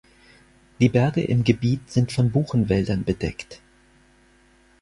Die Berge im Gebiet sind von Buchenwäldern bedeckt.